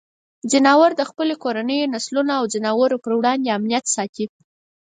ځناور د خپلو کورنیو نسلونو او ځناورو پر وړاندې امنیت ساتي.